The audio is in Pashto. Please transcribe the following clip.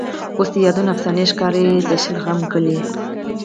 اوس د یادونه افسانې ښکاري. د شلغمې ګله